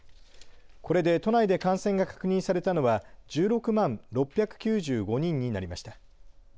これで都内で感染が確認されたのは１６万６９５人になりました。